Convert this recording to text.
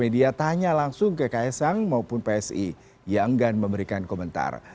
media tanya langsung ke ksam maupun psi yang enggak memberikan komentar